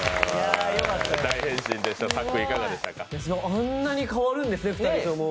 あんなに変わるんですね、２人とも。